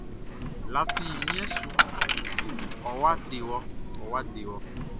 Lafi mien su, ɔwa dewɔ, ɔwa dewɔ!